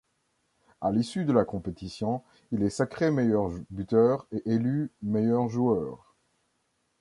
À l'issue de la compétition, il est sacré meilleur buteur et élu meilleur joueur.